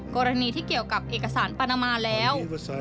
กรณีที่เกี่ยวกับเอกสารปานามาแล้ว